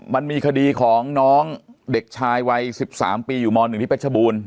มันมีคดีของน้องเด็กชายวัย๑๓ปีอยู่ม๑ที่เพชรบูรณ